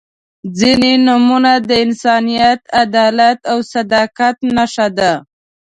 • ځینې نومونه د انسانیت، عدالت او صداقت نښه ده.